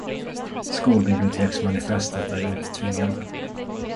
Skolbiblioteksmanifestet är inte tvingande.